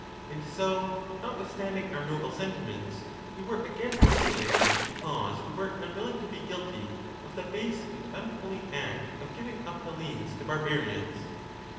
And so, notwithstanding our noble sentiments, we were again isolated, because we were unwilling to be guilty of the base and unholy act of giving up Hellenes to barbarians.